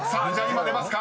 今出ますか？